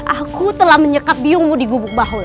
aku telah menyekat biungmu di gubuk bahula